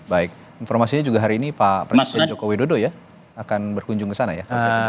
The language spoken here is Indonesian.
baik informasinya juga hari ini pak presiden joko widodo ya akan berkunjung ke sana ya